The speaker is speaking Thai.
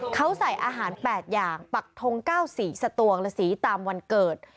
เขาใส่อาหาร๘อย่างปักทง๙๔สตวงและสีตามวันเกิด